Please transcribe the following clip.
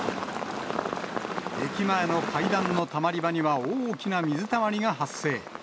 駅前の階段のたまり場には大きな水たまりが発生。